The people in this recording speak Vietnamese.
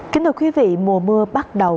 kính thưa quý vị mùa mưa bắt đầu